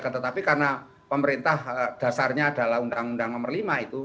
tetapi karena pemerintah dasarnya adalah undang undang nomor lima itu